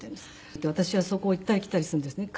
そして私はそこを行ったり来たりするんですね。